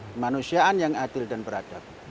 kemanusiaan yang adil dan beradab